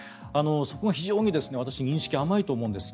そこが非常に私認識が甘いと思うんです。